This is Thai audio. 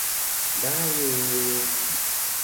ได้อยู่